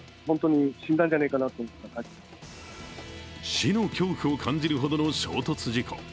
死の恐怖を感じるほどの衝突事故。